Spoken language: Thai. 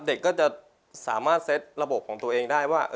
เด็กก็จะสามารถเซ็ตระบบของตัวเองได้ว่า